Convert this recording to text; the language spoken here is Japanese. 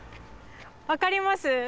分かります？